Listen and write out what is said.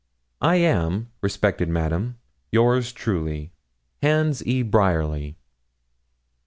'I am, respected Madam, yours truly, HANS E. BRYERLY.'